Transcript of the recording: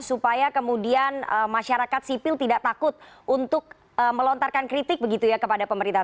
supaya kemudian masyarakat sipil tidak takut untuk melontarkan kritik begitu ya kepada pemerintah